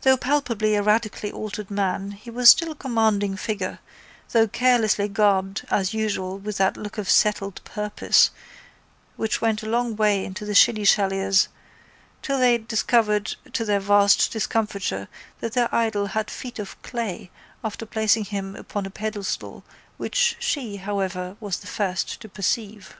Though palpably a radically altered man he was still a commanding figure though carelessly garbed as usual with that look of settled purpose which went a long way with the shillyshallyers till they discovered to their vast discomfiture that their idol had feet of clay after placing him upon a pedestal which she, however, was the first to perceive.